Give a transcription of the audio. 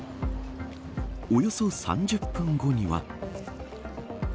およそ３０分後には。